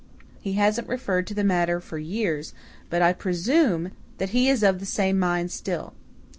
He hasn't referred to the matter for years, but I presume that he is of the same mind still.